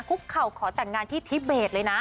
คุกเข่าขอแต่งงานที่ทิเบสเลยนะ